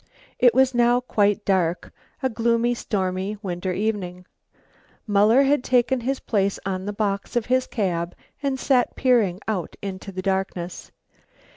It was now quite dark, a gloomy stormy winter evening. Muller had taken his place on the box of his cab and sat peering out into the darkness.